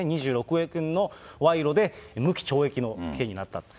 ２６億円の賄賂で無期懲役の刑になったと。